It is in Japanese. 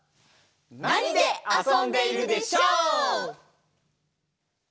「なにであそんでいるでショー？」。